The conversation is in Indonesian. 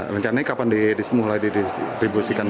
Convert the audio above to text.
rencana ini kapan mulai didistribusikan